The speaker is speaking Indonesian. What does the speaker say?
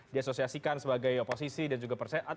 diasosiasikan sebagai oposisi dan juga persehat